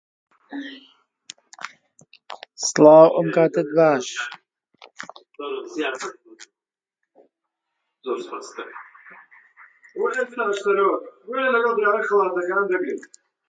چووە پشت دارە بەڕوونێیەک و هەرای دەکرد.